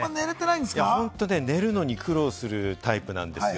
本当寝るのに苦労するタイプなんですよ。